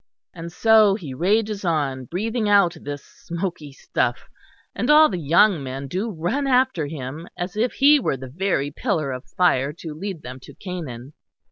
"And so he rages on, breathing out this smoky stuff, and all the young men do run after him, as if he were the very Pillar of Fire to lead them to Canaan.